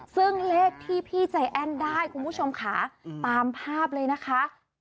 ซึ่งเลขที่พี่ใจแอ้นได้คุณผู้ชมค่ะตามภาพเลยนะคะ